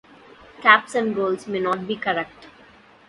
Caps and goals may not be correct.